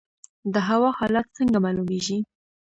د هوا حالات څنګه معلومیږي؟